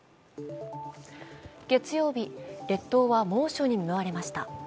月曜日、列島は猛暑に見舞われました。